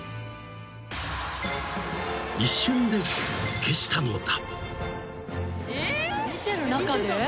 ［一瞬で消したのだ］えっ？